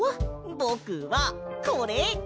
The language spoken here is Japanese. ぼくはこれ！